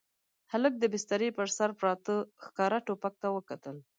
هلک د بسترې پر سر پراته ښکاري ټوپک ته وکتل.